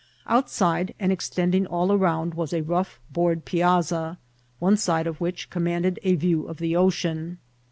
Outside, and extending all aromid, was a rough board piassa, one side of which commanded a view of the ocean.